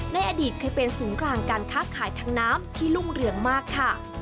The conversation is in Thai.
ในอดีตเคยเป็นศูนย์กลางการค้าขายทางน้ำที่รุ่งเรืองมากค่ะ